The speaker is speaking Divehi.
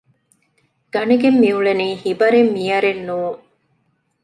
ގަނެގެން މިއުޅެނީ ހިބަރެއް މިޔަރެއް ނޫން